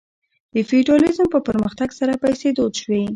د فیوډالیزم په پرمختګ سره پیسې دود شوې.